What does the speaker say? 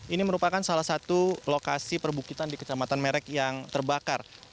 ini merupakan salah satu lokasi perbukitan di kecamatan merek yang terbakar